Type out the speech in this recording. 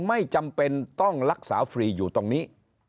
ไม่จำเป็นต้องรักษาฟรีอยู่ตรงนี้